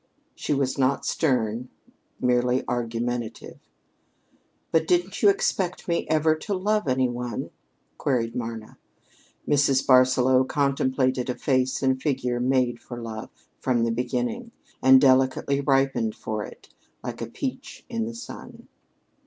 She was not stern, merely argumentative. "But didn't you expect me ever to love any one?" queried Marna. Mrs. Barsaloux contemplated a face and figure made for love from the beginning, and delicately ripened for it, like a peach in the sun.